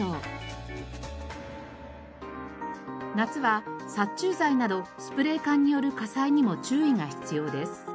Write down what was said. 夏は殺虫剤などスプレー缶による火災にも注意が必要です。